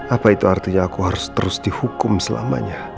apa artinya saya harus terus dihukum selamanya